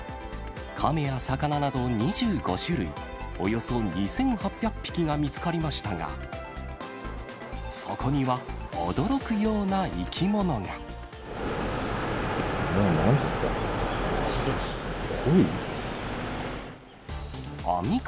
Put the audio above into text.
亀や魚など２５種類、およそ２８００匹が見つかりましたが、そこには驚くような生き物あれはなんですか。